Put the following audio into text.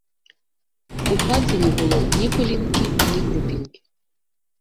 У хаце не было нi пылiнкi, нi крупiнкi.